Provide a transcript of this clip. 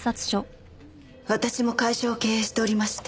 私も会社を経営しておりまして。